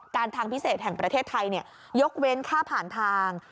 ทางพิเศษแห่งประเทศไทยยกเว้นค่าผ่านทาง